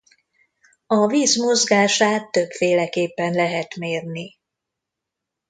A víz mozgását többféleképpen lehet mérni.